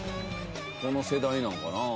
この世代なんかな？